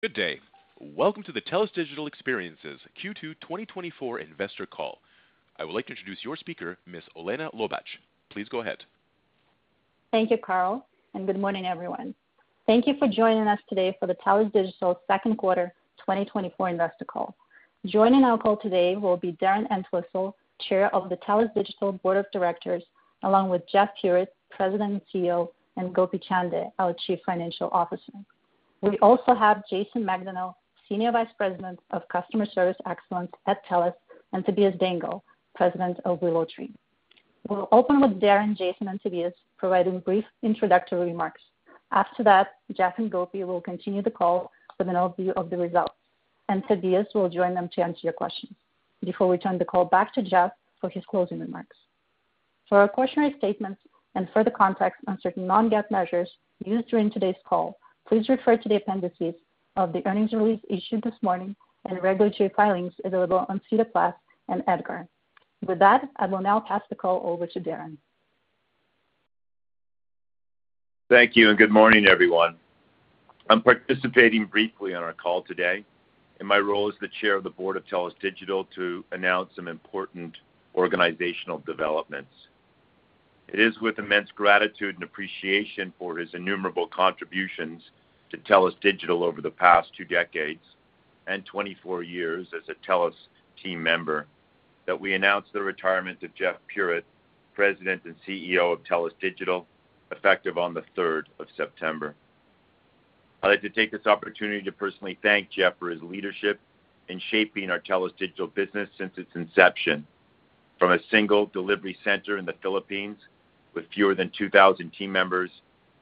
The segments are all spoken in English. Good day. Welcome to the TELUS Digital Experiences Q2 2024 Investor Call. I would like to introduce your speaker, Ms. Olena Lobach. Please go ahead. Thank you, Carl, and good morning, everyone. Thank you for joining us today for the TELUS Digital Q2 2024 Investor Call. Joining our call today will be Darren Entwistle, Chair of the TELUS Digital Board of Directors, along with Jeff Puritt, President and CEO, and Gopi Chande, our Chief Financial Officer. We also have Jason Macdonnell, Senior Vice President of Customer Service Excellence at TELUS, and Tobias Dengel, President of WillowTree. We'll open with Darren, Jason, and Tobias, providing brief introductory remarks. After that, Jeff and Gopi will continue the call with an overview of the results, and Tobias will join them to answer your questions. Before we turn the call back to Jeff for his closing remarks. For our cautionary statements and further context on certain non-GAAP measures used during today's call, please refer to the appendices of the earnings release issued this morning and regulatory filings available on SEDAR+ and EDGAR. With that, I will now pass the call over to Darren. Thank you, and good morning, everyone. I'm participating briefly in our call today, and my role is the Chair of the Board of TELUS Digital to announce some important organizational developments. It is with immense gratitude and appreciation for his innumerable contributions to TELUS Digital over the past two decades and 24 years as a TELUS team member that we announce the retirement of Jeff Puritt, President and CEO of TELUS Digital, effective on the 3rd of September. I'd like to take this opportunity to personally thank Jeff for his leadership in shaping our TELUS Digital business since its inception, from a single delivery center in the Philippines with fewer than 2,000 team members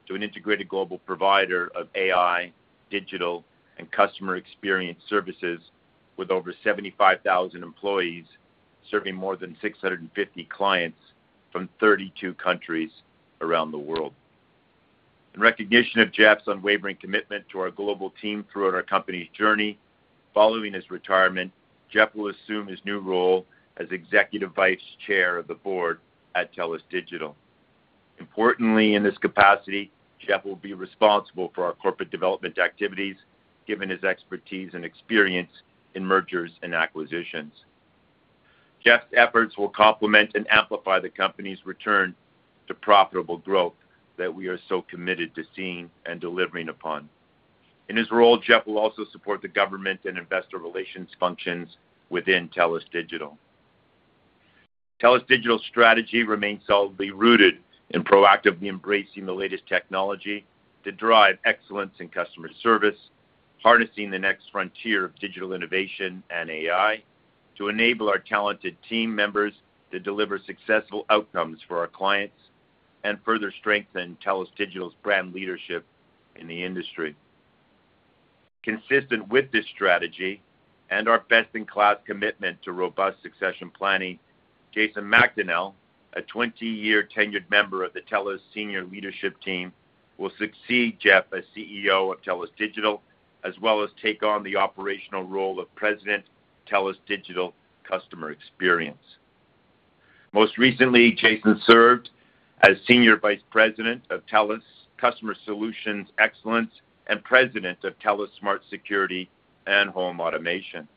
to an integrated global provider of AI, digital, and customer experience services with over 75,000 employees serving more than 650 clients from 32 countries around the world. In recognition of Jeff's unwavering commitment to our global team throughout our company's journey, following his retirement, Jeff will assume his new role as Executive Vice Chair of the Board at TELUS Digital. Importantly, in this capacity, Jeff will be responsible for our corporate development activities, given his expertise and experience in mergers and acquisitions. Jeff's efforts will complement and amplify the company's return to profitable growth that we are so committed to seeing and delivering upon. In his role, Jeff will also support the government and investor relations functions within TELUS Digital. TELUS Digital's strategy remains solidly rooted in proactively embracing the latest technology to drive excellence in customer service, harnessing the next frontier of digital innovation and AI to enable our talented team members to deliver successful outcomes for our clients and further strengthen TELUS Digital's brand leadership in the industry. Consistent with this strategy and our best-in-class commitment to robust succession planning, Jason Macdonnell, a 20-year tenured member of the TELUS Senior Leadership Team, will succeed Jeff as CEO of TELUS Digital as well as take on the operational role of President of TELUS Digital Customer Experience. Most recently, Jason served as Senior Vice President of TELUS Customer Solutions Excellence and President of TELUS Smart Security and Home Automation.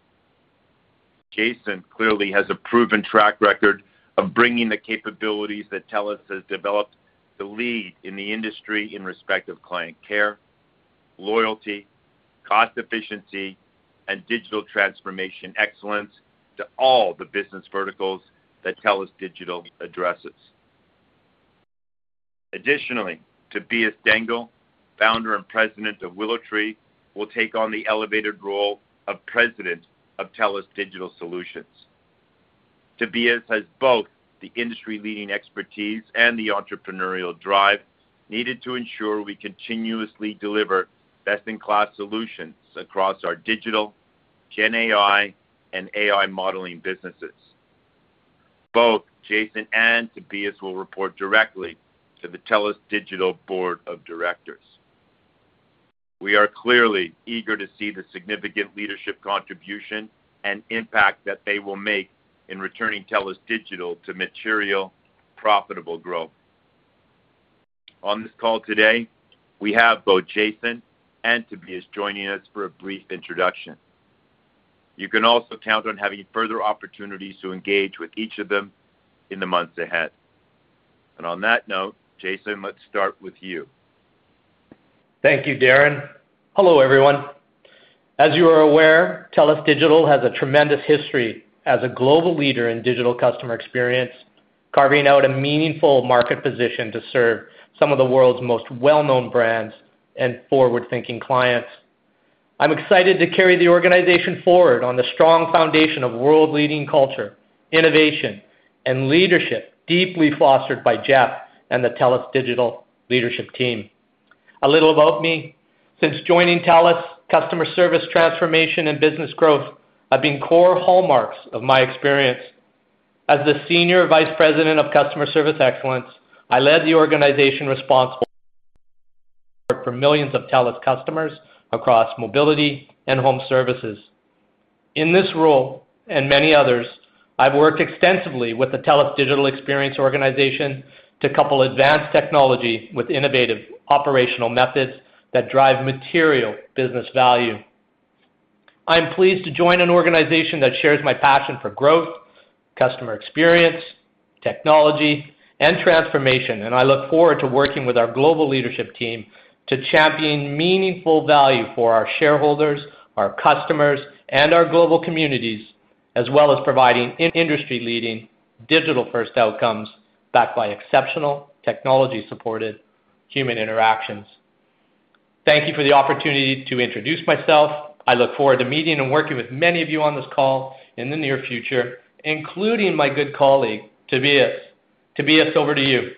Jason clearly has a proven track record of bringing the capabilities that TELUS has developed to lead in the industry in respect of client care, loyalty, cost efficiency, and digital transformation excellence to all the business verticals that TELUS Digital addresses. Additionally, Tobias Dengel, founder and president of WillowTree, will take on the elevated role of President of TELUS Digital Solutions. Tobias has both the industry-leading expertise and the entrepreneurial drive needed to ensure we continuously deliver best-in-class solutions across our digital, GenAI, and AI modeling businesses. Both Jason and Tobias will report directly to the TELUS Digital Board of Directors. We are clearly eager to see the significant leadership contribution and impact that they will make in returning TELUS Digital to material profitable growth. On this call today, we have both Jason and Tobias joining us for a brief introduction. You can also count on having further opportunities to engage with each of them in the months ahead. And on that note, Jason, let's start with you. Thank you, Darren. Hello, everyone. As you are aware, TELUS Digital has a tremendous history as a global leader in digital customer experience, carving out a meaningful market position to serve some of the world's most well-known brands and forward-thinking clients. I'm excited to carry the organization forward on the strong foundation of world-leading culture, innovation, and leadership deeply fostered by Jeff and the TELUS Digital leadership team. A little about me: since joining TELUS, customer service transformation and business growth have been core hallmarks of my experience. As the Senior Vice President of Customer Service Excellence, I led the organization responsible for millions of TELUS customers across mobility and home services. In this role and many others, I've worked extensively with the TELUS Digital Experience organization to couple advanced technology with innovative operational methods that drive material business value. I'm pleased to join an organization that shares my passion for growth, customer experience, technology, and transformation, and I look forward to working with our global leadership team to champion meaningful value for our shareholders, our customers, and our global communities, as well as providing industry-leading digital-first outcomes backed by exceptional technology-supported human interactions. Thank you for the opportunity to introduce myself. I look forward to meeting and working with many of you on this call in the near future, including my good colleague Tobias. Tobias, over to you.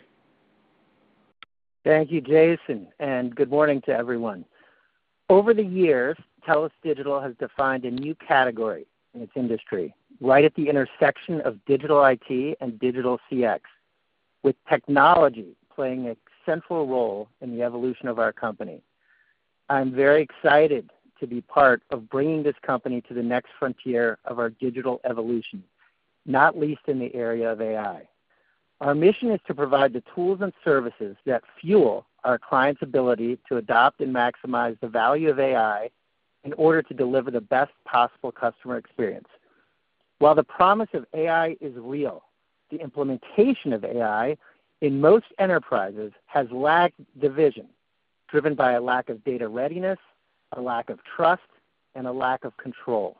Thank you, Jason, and good morning to everyone. Over the years, TELUS Digital has defined a new category in its industry, right at the intersection of digital IT and digital CX, with technology playing a central role in the evolution of our company. I'm very excited to be part of bringing this company to the next frontier of our digital evolution, not least in the area of AI. Our mission is to provide the tools and services that fuel our clients' ability to adopt and maximize the value of AI in order to deliver the best possible customer experience. While the promise of AI is real, the implementation of AI in most enterprises has lacked the vision driven by a lack of data readiness, a lack of trust, and a lack of control.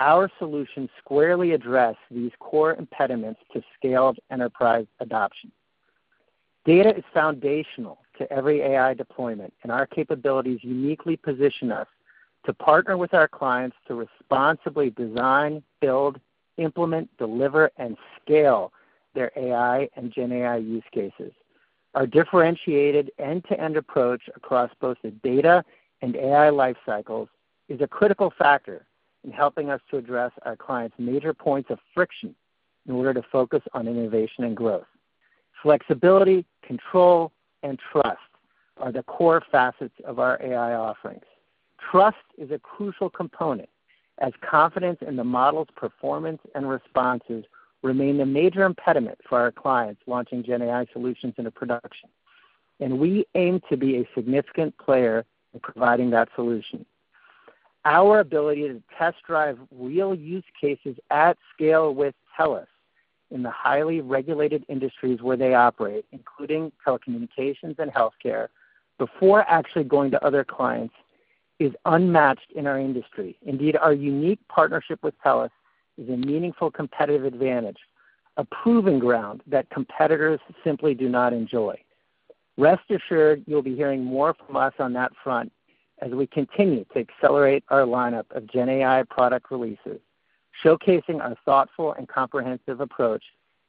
Our solutions squarely address these core impediments to scaled enterprise adoption. Data is foundational to every AI deployment, and our capabilities uniquely position us to partner with our clients to responsibly design, build, implement, deliver, and scale their AI and GenAI use cases. Our differentiated end-to-end approach across both the data and AI lifecycles is a critical factor in helping us to address our clients' major points of friction in order to focus on innovation and growth. Flexibility, control, and trust are the core facets of our AI offerings. Trust is a crucial component, as confidence in the model's performance and responses remain the major impediment for our clients launching GenAI solutions into production, and we aim to be a significant player in providing that solution. Our ability to test-drive real use cases at scale with TELUS in the highly regulated industries where they operate, including telecommunications and healthcare, before actually going to other clients, is unmatched in our industry. Indeed, our unique partnership with TELUS is a meaningful competitive advantage, a proving ground that competitors simply do not enjoy. Rest assured, you'll be hearing more from us on that front as we continue to accelerate our lineup of GenAI product releases, showcasing our thoughtful and comprehensive approach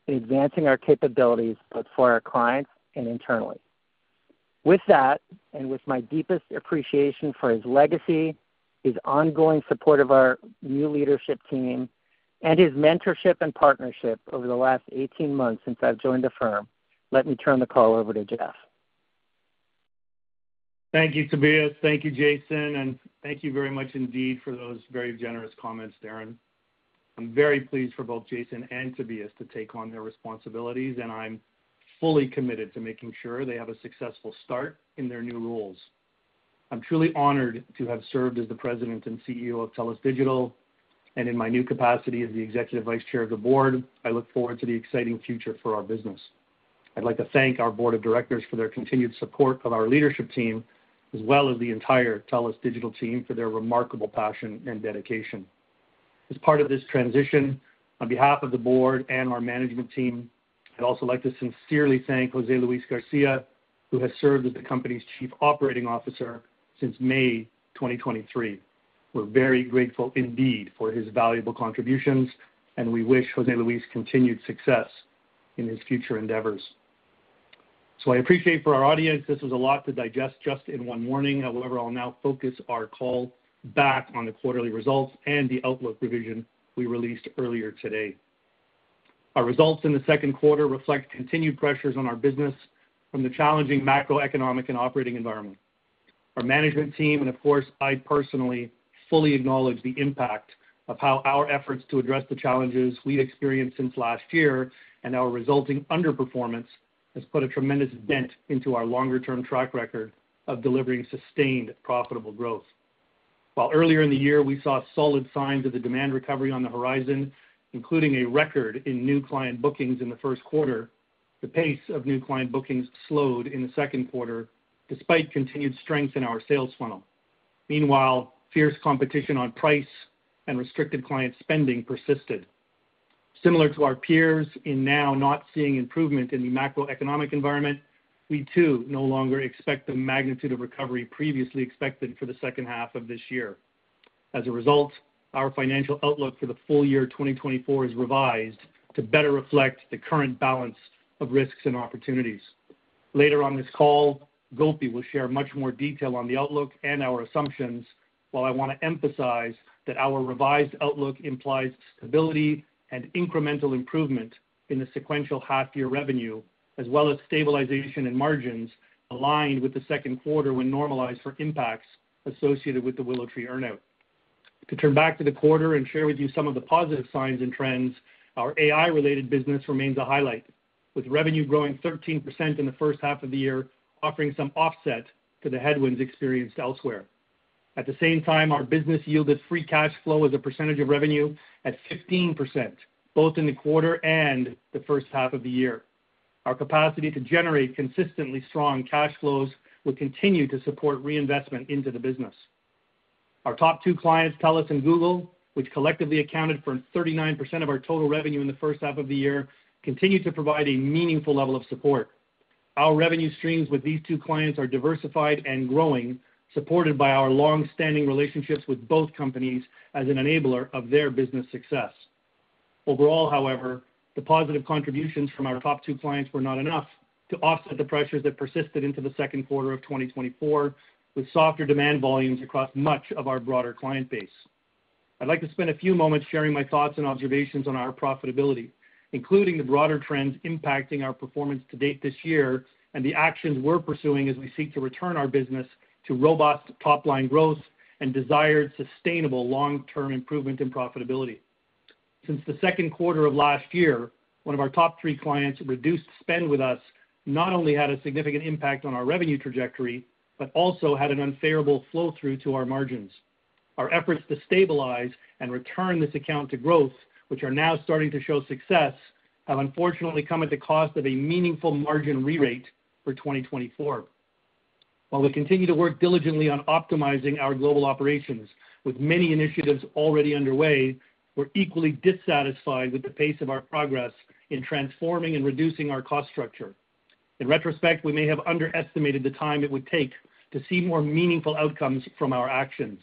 in advancing our capabilities both for our clients and internally. With that, and with my deepest appreciation for his legacy, his ongoing support of our new leadership team, and his mentorship and partnership over the last 18 months since I've joined the firm, let me turn the call over to Jeff. Thank you, Tobias. Thank you, Jason, and thank you very much indeed for those very generous comments, Darren. I'm very pleased for both Jason and Tobias to take on their responsibilities, and I'm fully committed to making sure they have a successful start in their new roles. I'm truly honored to have served as the President and CEO of TELUS Digital, and in my new capacity as the Executive Vice Chair of the Board, I look forward to the exciting future for our business. I'd like to thank our Board of Directors for their continued support of our leadership team, as well as the entire TELUS Digital team for their remarkable passion and dedication. As part of this transition, on behalf of the Board and our management team, I'd also like to sincerely thank José-Luis García, who has served as the company's Chief Operating Officer since May 2023. We're very grateful indeed for his valuable contributions, and we wish José-Luis continued success in his future endeavors. So I appreciate for our audience, this was a lot to digest just in one morning. However, I'll now focus our call back on the quarterly results and the outlook revision we released earlier today. Our results in the second quarter reflect continued pressures on our business from the challenging macroeconomic and operating environment. Our management team, and of course, I personally fully acknowledge the impact of how our efforts to address the challenges we've experienced since last year and our resulting underperformance has put a tremendous dent into our longer-term track record of delivering sustained profitable growth. While earlier in the year we saw solid signs of the demand recovery on the horizon, including a record in new client bookings in the first quarter, the pace of new client bookings slowed in the second quarter despite continued strength in our sales funnel. Meanwhile, fierce competition on price and restricted client spending persisted. Similar to our peers, we are now not seeing improvement in the macroeconomic environment, we too no longer expect the magnitude of recovery previously expected for the second half of this year. As a result, our financial outlook for the full year 2024 is revised to better reflect the current balance of risks and opportunities. Later on this call, Gopi will share much more detail on the outlook and our assumptions, while I want to emphasize that our revised outlook implies stability and incremental improvement in the sequential half-year revenue, as well as stabilization in margins aligned with the second quarter when normalized for impacts associated with the WillowTree earnout. To turn back to the quarter and share with you some of the positive signs and trends, our AI-related business remains a highlight, with revenue growing 13% in the first half of the year, offering some offset to the headwinds experienced elsewhere. At the same time, our business yielded free cash flow as a percentage of revenue at 15%, both in the quarter and the first half of the year. Our capacity to generate consistently strong cash flows will continue to support reinvestment into the business. Our top two clients, TELUS and Google, which collectively accounted for 39% of our total revenue in the first half of the year, continue to provide a meaningful level of support. Our revenue streams with these two clients are diversified and growing, supported by our long-standing relationships with both companies as an enabler of their business success. Overall, however, the positive contributions from our top two clients were not enough to offset the pressures that persisted into the second quarter of 2024, with softer demand volumes across much of our broader client base. I'd like to spend a few moments sharing my thoughts and observations on our profitability, including the broader trends impacting our performance to date this year and the actions we're pursuing as we seek to return our business to robust top-line growth and desired sustainable long-term improvement in profitability. Since the second quarter of last year, one of our top three clients reduced spend with us, not only had a significant impact on our revenue trajectory, but also had an unfavorable flow-through to our margins. Our efforts to stabilize and return this account to growth, which are now starting to show success, have unfortunately come at the cost of a meaningful margin rerate for 2024. While we continue to work diligently on optimizing our global operations, with many initiatives already underway, we're equally dissatisfied with the pace of our progress in transforming and reducing our cost structure. In retrospect, we may have underestimated the time it would take to see more meaningful outcomes from our actions.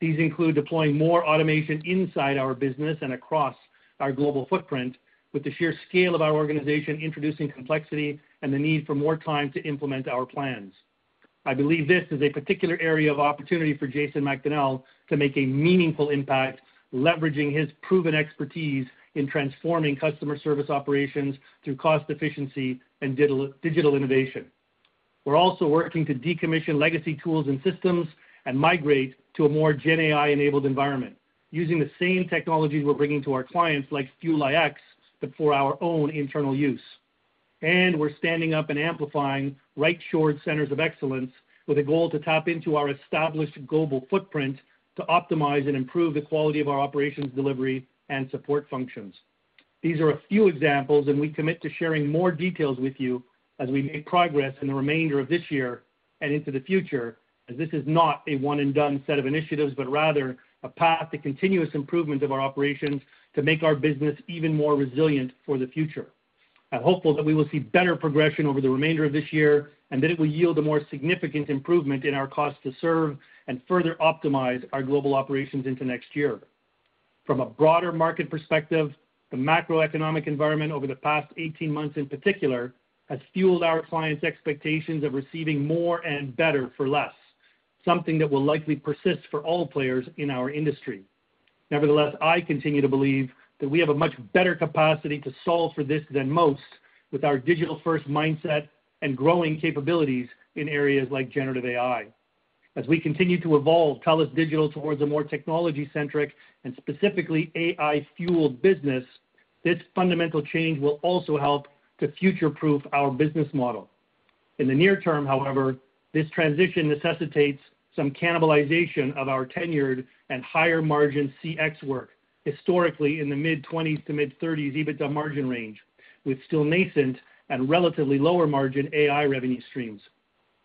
These include deploying more automation inside our business and across our global footprint, with the sheer scale of our organization introducing complexity and the need for more time to implement our plans. I believe this is a particular area of opportunity for Jason Macdonnell to make a meaningful impact, leveraging his proven expertise in transforming customer service operations through cost efficiency and digital innovation. We're also working to decommission legacy tools and systems and migrate to a more GenAI-enabled environment, using the same technologies we're bringing to our clients, like Fuel iX, but for our own internal use. We're standing up and amplifying Right-Shoring Centers of Excellence with a goal to tap into our established global footprint to optimize and improve the quality of our operations, delivery, and support functions. These are a few examples, and we commit to sharing more details with you as we make progress in the remainder of this year and into the future, as this is not a one-and-done set of initiatives, but rather a path to continuous improvement of our operations to make our business even more resilient for the future. I'm hopeful that we will see better progression over the remainder of this year and that it will yield a more significant improvement in our cost to serve and further optimize our global operations into next year. From a broader market perspective, the macroeconomic environment over the past 18 months in particular has fueled our clients' expectations of receiving more and better for less, something that will likely persist for all players in our industry. Nevertheless, I continue to believe that we have a much better capacity to solve for this than most with our digital-first mindset and growing capabilities in areas like generative AI. As we continue to evolve TELUS Digital towards a more technology-centric and specifically AI-fueled business, this fundamental change will also help to future-proof our business model. In the near term, however, this transition necessitates some cannibalization of our tenured and higher-margin CX work, historically in the mid-20s to mid-30s EBITDA margin range, with still nascent and relatively lower-margin AI revenue streams.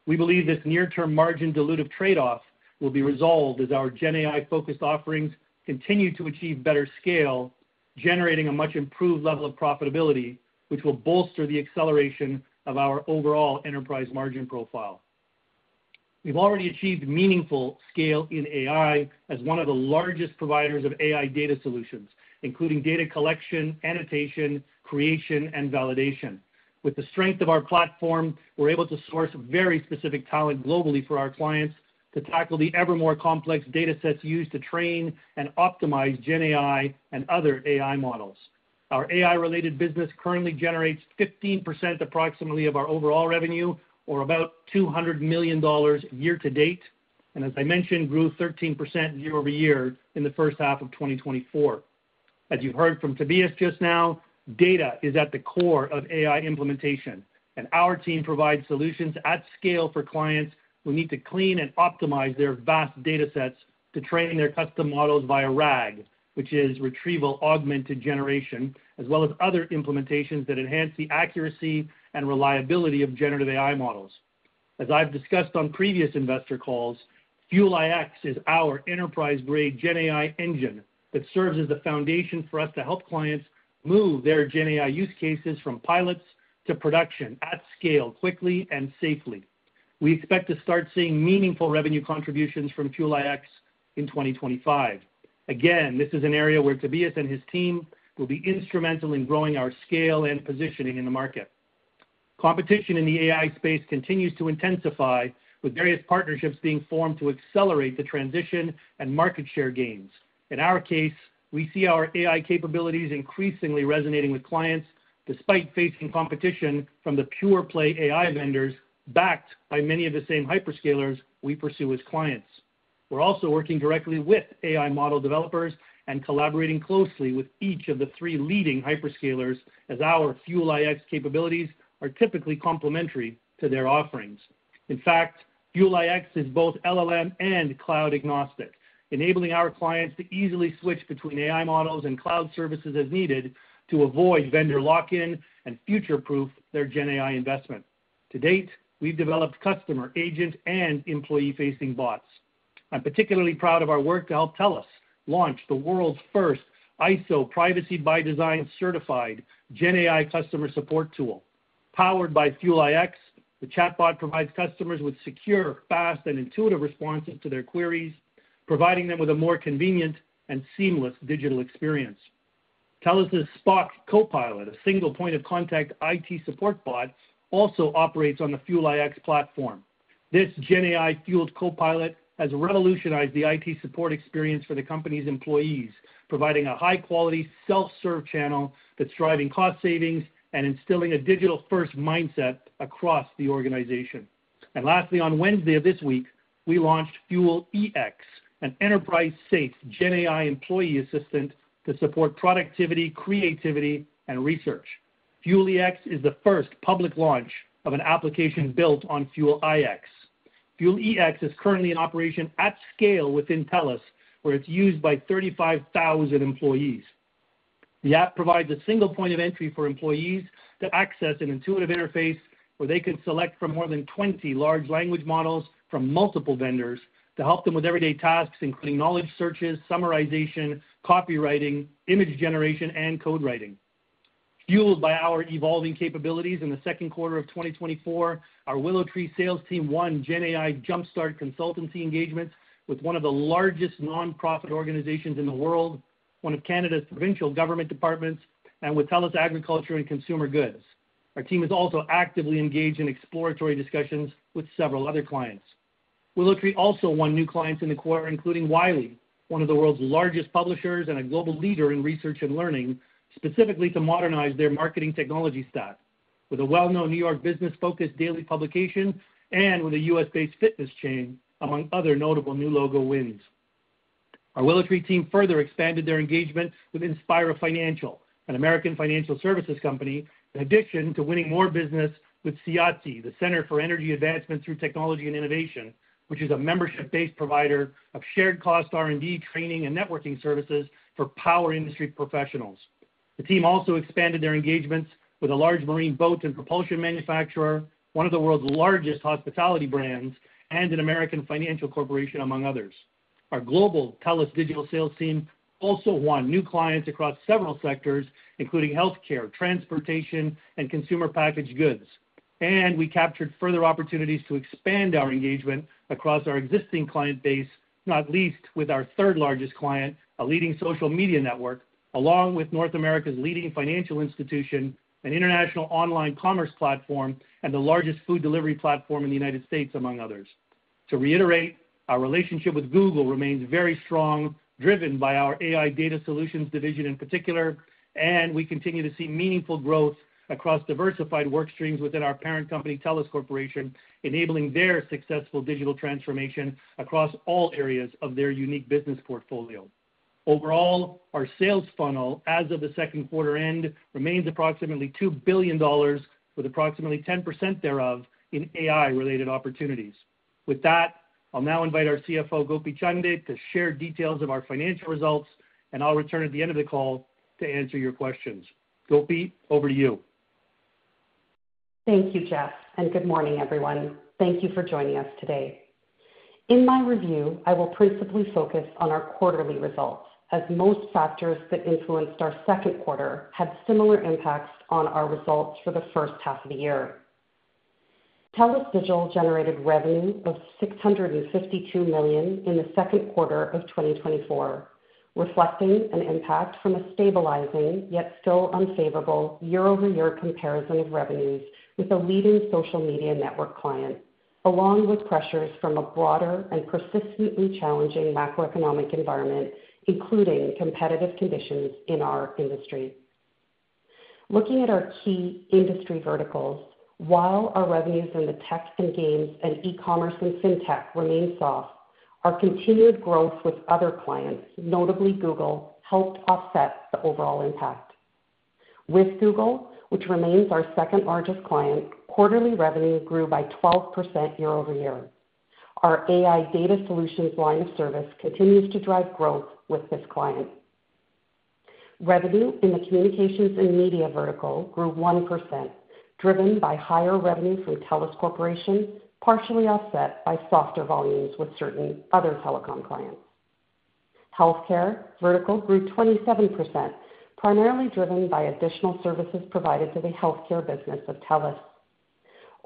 We believe this near-term margin-dilutive trade-off will be resolved as our GenAI-focused offerings continue to achieve better scale, generating a much improved level of profitability, which will bolster the acceleration of our overall enterprise margin profile. We've already achieved meaningful scale in AI as one of the largest providers of AI data solutions, including data collection, annotation, creation, and validation. With the strength of our platform, we're able to source very specific talent globally for our clients to tackle the ever-more complex datasets used to train and optimize GenAI and other AI models. Our AI-related business currently generates 15% approximately of our overall revenue, or about $200 million year-to-date, and as I mentioned, grew 13% year-over-year in the first half of 2024. As you've heard from Tobias just now, data is at the core of AI implementation, and our team provides solutions at scale for clients who need to clean and optimize their vast datasets to train their custom models via RAG, which is Retrieval Augmented Generation, as well as other implementations that enhance the accuracy and reliability of generative AI models. As I've discussed on previous investor calls, Fuel iX is our enterprise-grade GenAI engine that serves as the foundation for us to help clients move their GenAI use cases from pilots to production at scale, quickly and safely. We expect to start seeing meaningful revenue contributions from Fuel iX in 2025. Again, this is an area where Tobias and his team will be instrumental in growing our scale and positioning in the market. Competition in the AI space continues to intensify, with various partnerships being formed to accelerate the transition and market share gains. In our case, we see our AI capabilities increasingly resonating with clients despite facing competition from the pure-play AI vendors backed by many of the same hyperscalers we pursue as clients. We're also working directly with AI model developers and collaborating closely with each of the three leading hyperscalers as our Fuel iX capabilities are typically complementary to their offerings. In fact, Fuel iX is both LLM and cloud-agnostic, enabling our clients to easily switch between AI models and cloud services as needed to avoid vendor lock-in and future-proof their GenAI investment. To date, we've developed customer, agent, and employee-facing bots. I'm particularly proud of our work to help TELUS launch the world's first ISO privacy-by-design certified GenAI customer support tool. Powered by Fuel iX, the chatbot provides customers with secure, fast, and intuitive responses to their queries, providing them with a more convenient and seamless digital experience. TELUS' SPOC Copilot, a single point-of-contact IT support bot, also operates on the Fuel iX platform. This GenAI-fueled copilot has revolutionized the IT support experience for the company's employees, providing a high-quality self-serve channel that's driving cost savings and instilling a digital-first mindset across the organization. Lastly, on Wednesday of this week, we launched Fuel EX, an enterprise-safe GenAI employee assistant to support productivity, creativity, and research. Fuel EX is the first public launch of an application built on Fuel iX. Fuel EX is currently in operation at scale within TELUS, where it's used by 35,000 employees. The app provides a single point of entry for employees that access an intuitive interface where they can select from more than 20 large language models from multiple vendors to help them with everyday tasks, including knowledge searches, summarization, copywriting, image generation, and code writing. Fueled by our evolving capabilities in the second quarter of 2024, our WillowTree sales team won GenAI Jumpstart consultancy engagements with one of the largest nonprofit organizations in the world, one of Canada's provincial government departments, and with TELUS Agriculture and Consumer Goods. Our team is also actively engaged in exploratory discussions with several other clients. WillowTree also won new clients in the quarter, including Wiley, one of the world's largest publishers and a global leader in research and learning, specifically to modernize their marketing technology stack, with a well-known New York business-focused daily publication and with a U.S.-based fitness chain, among other notable new logo wins. Our WillowTree team further expanded their engagement with Inspira Financial, an American financial services company, in addition to winning more business with CEATI, the Center for Energy Advancement Through Technology and Innovation, which is a membership-based provider of shared cost R&D training and networking services for power industry professionals. The team also expanded their engagements with a large marine boat and propulsion manufacturer, one of the world's largest hospitality brands, and an American financial corporation, among others. Our global TELUS Digital sales team also won new clients across several sectors, including healthcare, transportation, and consumer packaged goods. We captured further opportunities to expand our engagement across our existing client base, not least with our third-largest client, a leading social media network, along with North America's leading financial institution, an international online commerce platform, and the largest food delivery platform in the United States, among others. To reiterate, our relationship with Google remains very strong, driven by our AI data solutions division in particular, and we continue to see meaningful growth across diversified work streams within our parent company, TELUS Corporation, enabling their successful digital transformation across all areas of their unique business portfolio. Overall, our sales funnel as of the second quarter end remains approximately $2 billion, with approximately 10% thereof in AI-related opportunities. With that, I'll now invite our CFO, Gopi Chande, to share details of our financial results, and I'll return at the end of the call to answer your questions. Gopi, over to you. Thank you, Jeff, and good morning, everyone. Thank you for joining us today. In my review, I will principally focus on our quarterly results, as most factors that influenced our second quarter had similar impacts on our results for the first half of the year. TELUS Digital generated revenue of $652 million in the second quarter of 2024, reflecting an impact from a stabilizing, yet still unfavorable year-over-year comparison of revenues with a leading social media network client, along with pressures from a broader and persistently challenging macroeconomic environment, including competitive conditions in our industry. Looking at our key industry verticals, while our revenues in the tech and games and eCommerce and Fintech remain soft, our continued growth with other clients, notably Google, helped offset the overall impact. With Google, which remains our second-largest client, quarterly revenue grew by 12% year-over-year. Our AI data solutions line of service continues to drive growth with this client. Revenue in the communications and media vertical grew 1%, driven by higher revenue from TELUS Corporation, partially offset by softer volumes with certain other telecom clients. Healthcare vertical grew 27%, primarily driven by additional services provided to the healthcare business of TELUS.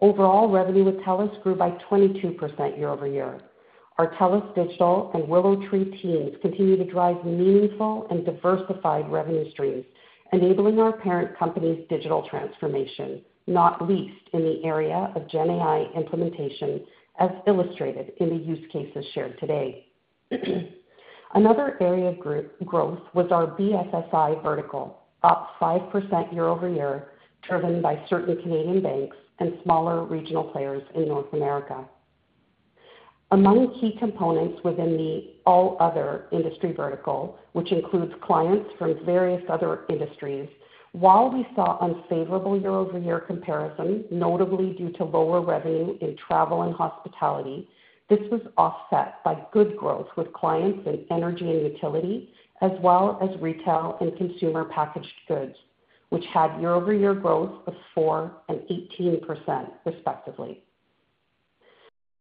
Overall revenue with TELUS grew by 22% year-over-year. Our TELUS Digital and WillowTree teams continue to drive meaningful and diversified revenue streams, enabling our parent company's digital transformation, not least in the area of GenAI implementation, as illustrated in the use cases shared today. Another area of growth was our BFSI vertical, up 5% year-over-year, driven by certain Canadian banks and smaller regional players in North America. Among key components within the all-other industry vertical, which includes clients from various other industries, while we saw unfavorable year-over-year comparison, notably due to lower revenue in travel and hospitality, this was offset by good growth with clients in energy and utility, as well as retail and consumer packaged goods, which had year-over-year growth of 4% and 18%, respectively.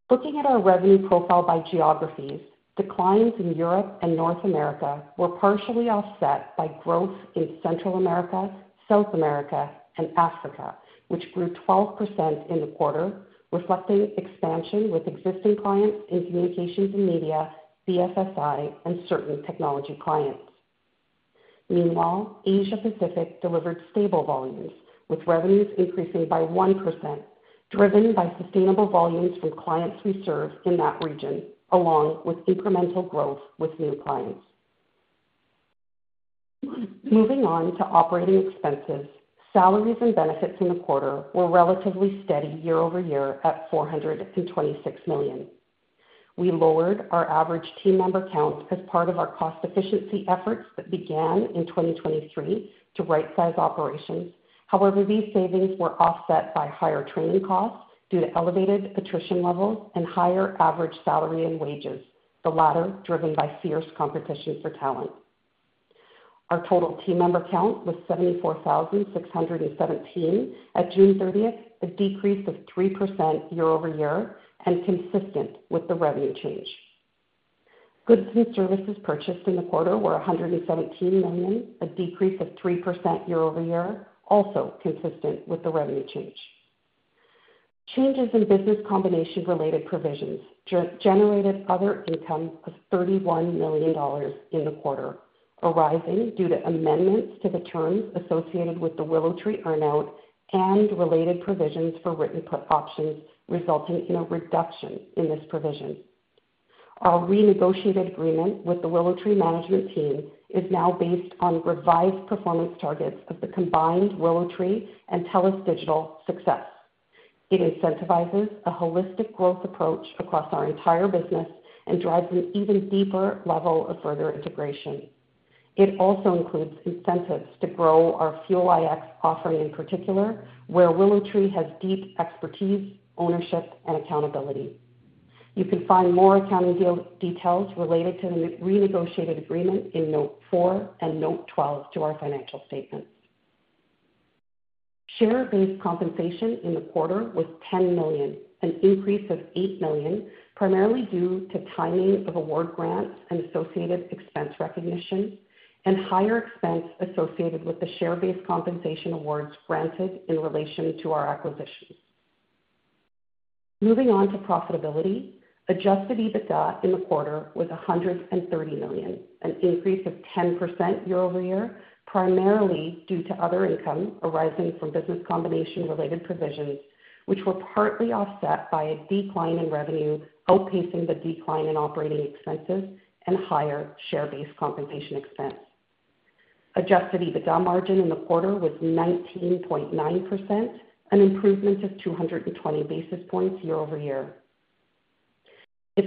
Looking at our revenue profile by geographies, declines in Europe and North America were partially offset by growth in Central America, South America, and Africa, which grew 12% in the quarter, reflecting expansion with existing clients in communications and media, BFSI, and certain technology clients. Meanwhile, Asia-Pacific delivered stable volumes, with revenues increasing by 1%, driven by sustainable volumes from clients we serve in that region, along with incremental growth with new clients. Moving on to operating expenses, salaries and benefits in the quarter were relatively steady year-over-year at $426 million. We lowered our average team member count as part of our cost efficiency efforts that began in 2023 to right-size operations. However, these savings were offset by higher training costs due to elevated attrition levels and higher average salary and wages, the latter driven by fierce competition for talent. Our total team member count was 74,617 at June 30th, a decrease of 3% year-over-year and consistent with the revenue change. Goods and services purchased in the quarter were $117 million, a decrease of 3% year-over-year, also consistent with the revenue change. Changes in business combination-related provisions generated other income of $31 million in the quarter, arising due to amendments to the terms associated with the WillowTree earnout and related provisions for written put options, resulting in a reduction in this provision. Our renegotiated agreement with the WillowTree management team is now based on revised performance targets of the combined WillowTree and TELUS Digital success. It incentivizes a holistic growth approach across our entire business and drives an even deeper level of further integration. It also includes incentives to grow our Fuel iX offering in particular, where WillowTree has deep expertise, ownership, and accountability. You can find more accounting details related to the renegotiated agreement in Note 4 and Note 12 to our financial statements. Share-based compensation in the quarter was $10 million, an increase of $8 million, primarily due to timing of award grants and associated expense recognition, and higher expense associated with the share-based compensation awards granted in relation to our acquisitions. Moving on to profitability, adjusted EBITDA in the quarter was $130 million, an increase of 10% year-over-year, primarily due to other income arising from business combination-related provisions, which were partly offset by a decline in revenue outpacing the decline in operating expenses and higher share-based compensation expense. Adjusted EBITDA margin in the quarter was 19.9%, an improvement of 220 basis points year-over-year. If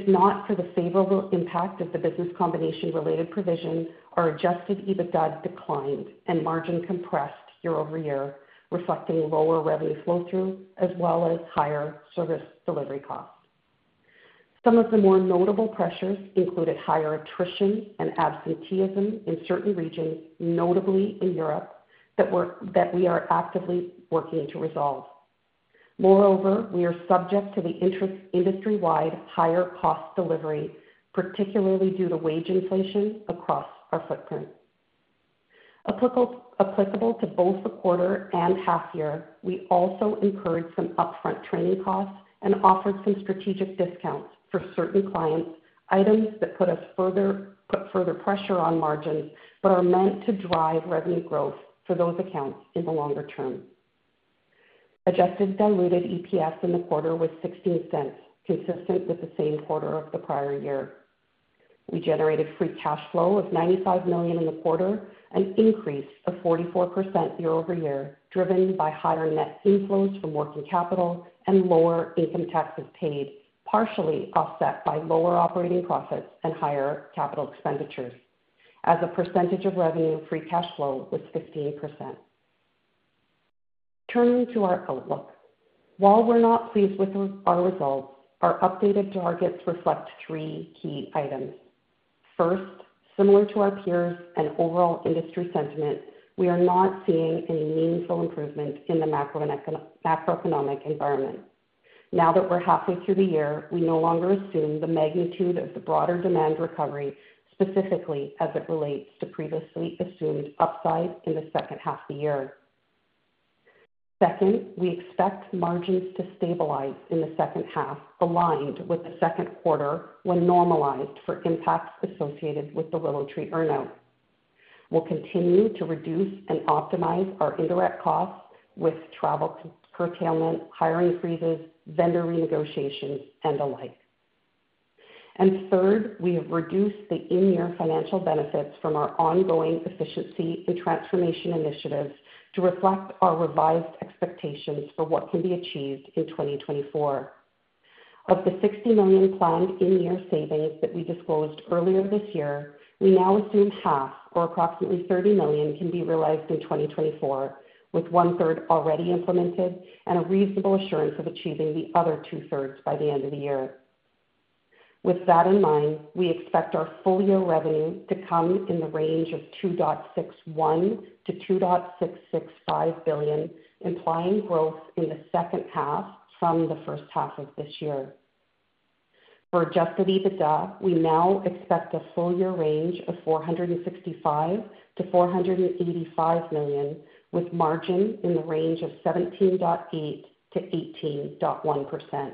not for the favorable impact of the business combination-related provision, our adjusted EBITDA declined and margins compressed year-over-year, reflecting lower revenue flow-through as well as higher service delivery costs. Some of the more notable pressures included higher attrition and absenteeism in certain regions, notably in Europe, that we are actively working to resolve. Moreover, we are subject to the inherent industry-wide higher cost of delivery, particularly due to wage inflation across our footprint. Applicable to both the quarter and half-year, we also incurred some upfront training costs and offered some strategic discounts for certain clients, items that put further pressure on our margins but are meant to drive revenue growth for those accounts in the longer term. Adjusted diluted EPS in the quarter was $0.16, consistent with the same quarter of the prior year. We generated free cash flow of $95 million in the quarter, an increase of 44% year-over-year, driven by higher net inflows from working capital and lower income taxes paid, partially offset by lower operating profits and higher capital expenditures, as a percentage of revenue free cash flow was 15%. Turning to our outlook, while we're not pleased with our results, our updated targets reflect three key items. First, similar to our peers and overall industry sentiment, we are not seeing any meaningful improvement in the macroeconomic environment. Now that we're halfway through the year, we no longer assume the magnitude of the broader demand recovery, specifically as it relates to previously assumed upside in the second half of the year. Second, we expect margins to stabilize in the second half, aligned with the second quarter when normalized for impacts associated with the WillowTree earnout. We'll continue to reduce and optimize our indirect costs with travel curtailment, hiring freezes, vendor renegotiations, and the like. And third, we have reduced the in-year financial benefits from our ongoing efficiency and transformation initiatives to reflect our revised expectations for what can be achieved in 2024. Of the $60 million planned in-year savings that we disclosed earlier this year, we now assume half, or approximately $30 million, can be realized in 2024, with 1/3 already implemented and a reasonable assurance of achieving the other 2/3 by the end of the year. With that in mind, we expect our full-year revenue to come in the range of $2.61 billion-$2.665 billion, implying growth in the second half from the first half of this year. For adjusted EBITDA, we now expect a full-year range of $465 million-$485 million, with margin in the range of 17.8%-18.1%.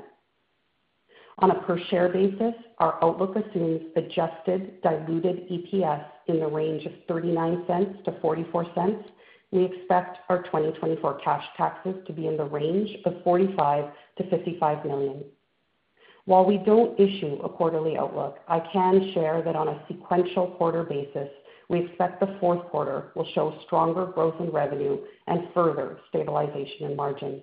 On a per-share basis, our outlook assumes adjusted diluted EPS in the range of $0.39-$0.44. We expect our 2024 cash taxes to be in the range of $45 million-$55 million. While we don't issue a quarterly outlook, I can share that on a sequential quarter basis, we expect the fourth quarter will show stronger growth in revenue and further stabilization in margin.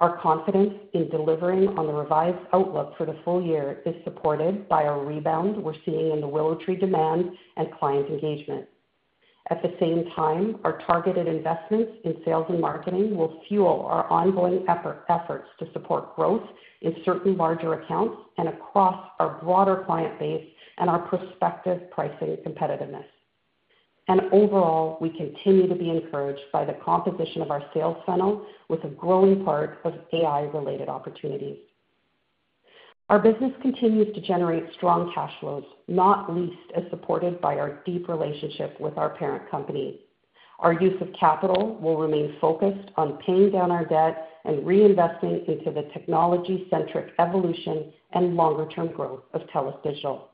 Our confidence in delivering on the revised outlook for the full year is supported by a rebound we're seeing in the WillowTree demand and client engagement. At the same time, our targeted investments in sales and marketing will fuel our ongoing efforts to support growth in certain larger accounts and across our broader client base and our prospective pricing competitiveness. And overall, we continue to be encouraged by the composition of our sales funnel, with a growing part of AI-related opportunities. Our business continues to generate strong cash flows, not least as supported by our deep relationship with our parent company. Our use of capital will remain focused on paying down our debt and reinvesting into the technology-centric evolution and longer-term growth of TELUS Digital.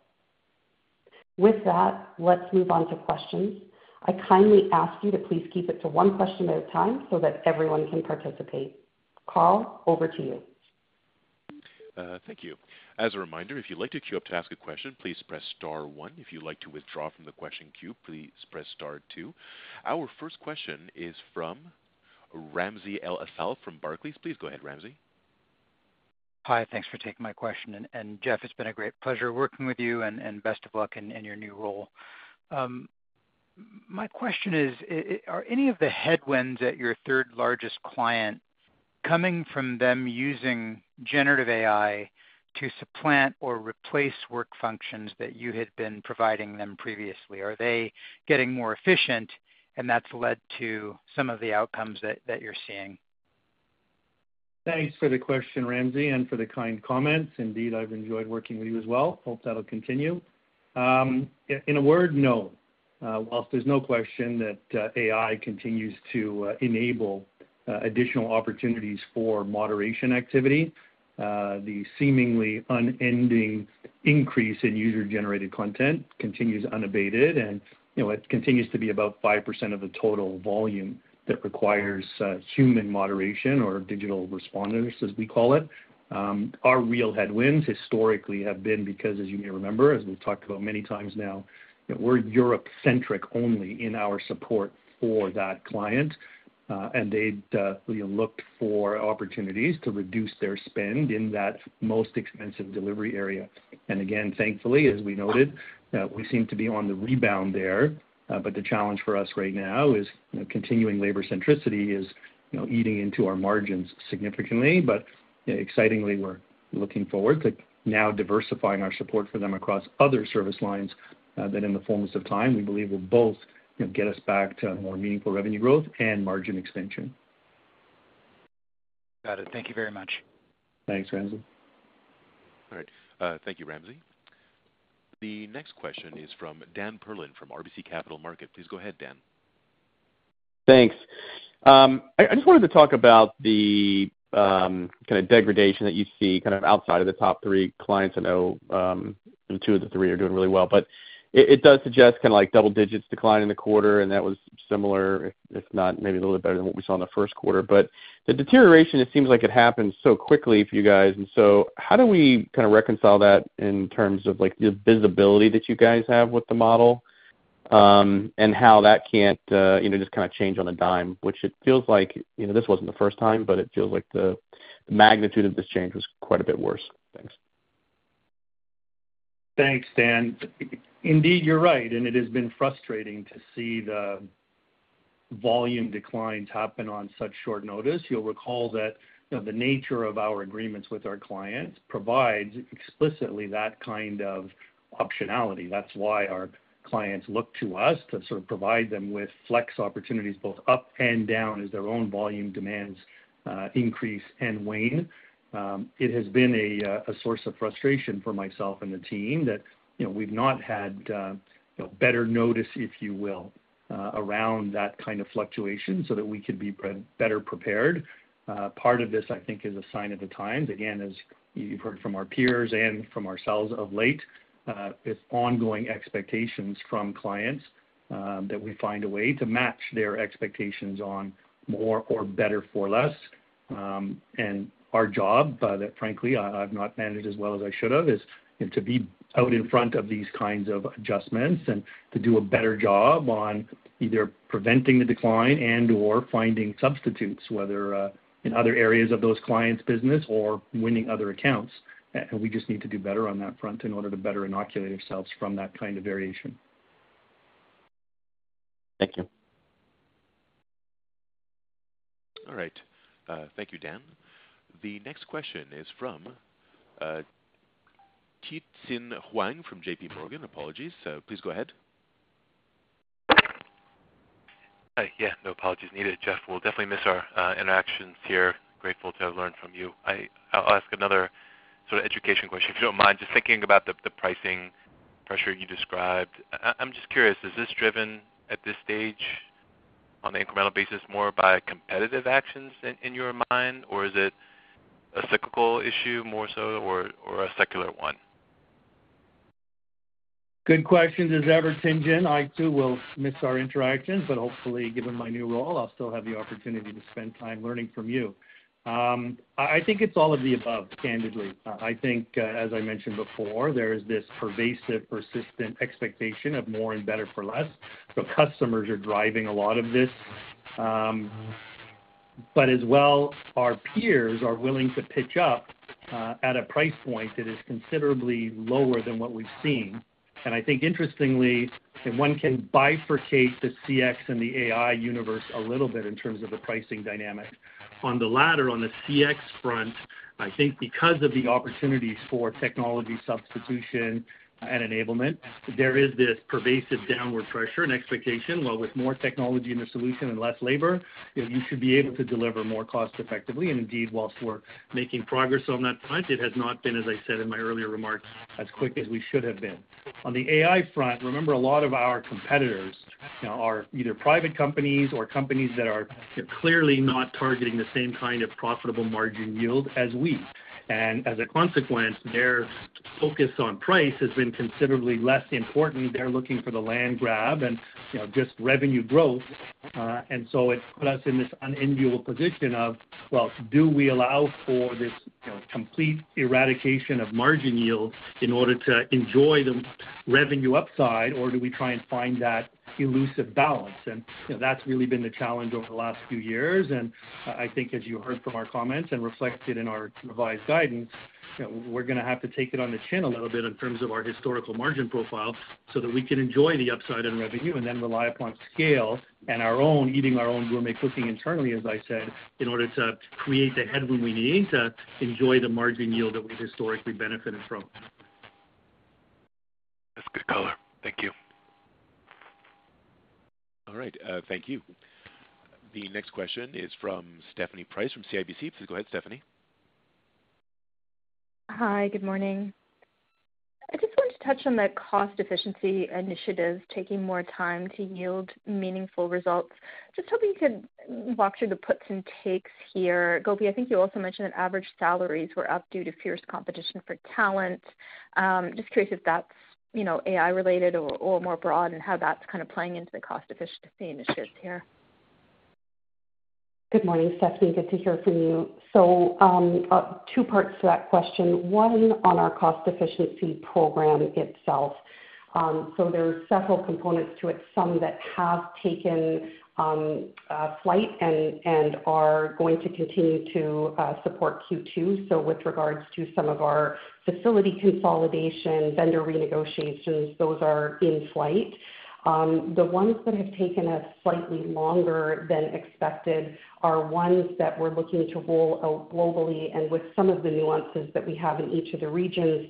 With that, let's move on to questions. I kindly ask you to please keep it to one question at a time so that everyone can participate. Carl, over to you. Thank you. As a reminder, if you'd like to queue up to ask a question, please press star one. If you'd like to withdraw from the question queue, please press star two. Our first question is from Ramsey El-Assal from Barclays. Please go ahead, Ramsey. Hi, thanks for taking my question. And Jeff, it's been a great pleasure working with you, and best of luck in your new role. My question is, are any of the headwinds at your third-largest client coming from them using generative AI to supplant or replace work functions that you had been providing them previously? Are they getting more efficient, and that's led to some of the outcomes that you're seeing? Thanks for the question, Ramsey, and for the kind comments. Indeed, I've enjoyed working with you as well. Hope that'll continue. In a word, no. Whilst there's no question that AI continues to enable additional opportunities for moderation activity, the seemingly unending increase in user-generated content continues unabated, and it continues to be about 5% of the total volume that requires human moderation or digital responders, as we call it. Our real headwinds historically have been because, as you may remember, as we've talked about many times now, we're Europe-centric only in our support for that client, and they've looked for opportunities to reduce their spend in that most expensive delivery area. And again, thankfully, as we noted, we seem to be on the rebound there, but the challenge for us right now is continuing labor centricity is eating into our margins significantly. But excitingly, we're looking forward to now diversifying our support for them across other service lines that, in the fullness of time, we believe will both get us back to more meaningful revenue growth and margin extension. Got it. Thank you very much. Thanks, Ramsey. All right. Thank you, Ramsey. The next question is from Dan Perlin from RBC Capital Markets. Please go ahead, Dan. Thanks. I just wanted to talk about the kind of degradation that you see kind of outside of the top three clients. I know two of the three are doing really well, but it does suggest kind of like double-digit decline in the quarter, and that was similar, if not maybe a little bit better than what we saw in the first quarter. But the deterioration, it seems like it happened so quickly for you guys. And so how do we kind of reconcile that in terms of the visibility that you guys have with the model and how that can't just kind of change on a dime, which it feels like this wasn't the first time, but it feels like the magnitude of this change was quite a bit worse. Thanks. Thanks, Dan. Indeed, you're right, and it has been frustrating to see the volume declines happen on such short notice. You'll recall that the nature of our agreements with our clients provides explicitly that kind of optionality. That's why our clients look to us to sort of provide them with flex opportunities both up and down as their own volume demands increase and wane. It has been a source of frustration for myself and the team that we've not had better notice, if you will, around that kind of fluctuation so that we could be better prepared. Part of this, I think, is a sign of the times. Again, as you've heard from our peers and from ourselves of late, it's ongoing expectations from clients that we find a way to match their expectations on more or better for less. And our job, frankly, I've not managed as well as I should have, is to be out in front of these kinds of adjustments and to do a better job on either preventing the decline and/or finding substitutes, whether in other areas of those clients' business or winning other accounts. And we just need to do better on that front in order to better inoculate ourselves from that kind of variation. Thank you. All right. Thank you, Dan. The next question is from Tien-Tsin Huang from JPMorgan. Apologies. Please go ahead. Yeah, no apologies needed. Jeff, we'll definitely miss our interactions here. Grateful to have learned from you. I'll ask another sort of education question, if you don't mind. Just thinking about the pricing pressure you described, I'm just curious, is this driven at this stage on an incremental basis more by competitive actions in your mind, or is it a cyclical issue more so or a secular one? Good question. As ever, Tien-Tsin, I too will miss our interactions, but hopefully, given my new role, I'll still have the opportunity to spend time learning from you. I think it's all of the above, candidly. I think, as I mentioned before, there is this pervasive, persistent expectation of more and better for less. So customers are driving a lot of this. But as well, our peers are willing to pitch up at a price point that is considerably lower than what we've seen. And I think, interestingly, one can bifurcate the CX and the AI universe a little bit in terms of the pricing dynamic. On the latter, on the CX front, I think because of the opportunities for technology substitution and enablement, there is this pervasive downward pressure and expectation. Well, with more technology in the solution and less labor, you should be able to deliver more cost-effectively. And indeed, while we're making progress on that front, it has not been, as I said in my earlier remarks, as quick as we should have been. On the AI front, remember, a lot of our competitors are either private companies or companies that are clearly not targeting the same kind of profitable margin yield as we. And as a consequence, their focus on price has been considerably less important. They're looking for the land grab and just revenue growth. And so it put us in this unenviable position of, well, do we allow for this complete eradication of margin yield in order to enjoy the revenue upside, or do we try and find that elusive balance? And that's really been the challenge over the last few years. And I think, as you heard from our comments and reflected in our revised guidance, we're going to have to take it on the chin a little bit in terms of our historical margin profile so that we can enjoy the upside in revenue and then rely upon scale and our own eating our own homemate cooking internally, as I said, in order to create the headroom we need to enjoy the margin yield that we've historically benefited from. That's good color. Thank you. All right. Thank you. The next question is from Stephanie Price from CIBC. Please go ahead, Stephanie. Hi, good morning. I just wanted to touch on the cost-efficiency initiatives taking more time to yield meaningful results. Just hoping you could walk through the puts and takes here. Gopi, I think you also mentioned that average salaries were up due to fierce competition for talent. Just curious if that's AI-related or more broad and how that's kind of playing into the cost-efficiency initiatives here. Good morning, Stephanie. Good to hear from you. So two parts to that question. One on our cost-efficiency program itself. So there are several components to it, some that have taken flight and are going to continue to support Q2. So with regards to some of our facility consolidation, vendor renegotiations, those are in flight. The ones that have taken us slightly longer than expected are ones that we're looking to roll out globally. With some of the nuances that we have in each of the regions,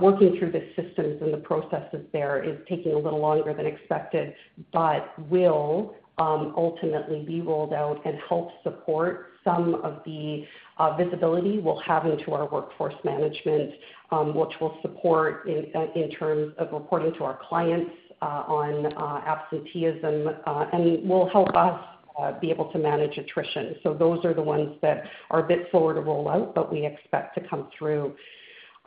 working through the systems and the processes there is taking a little longer than expected, but will ultimately be rolled out and help support some of the visibility we'll have into our workforce management, which will support in terms of reporting to our clients on absenteeism and will help us be able to manage attrition. Those are the ones that are a bit slower to roll out, but we expect to come through.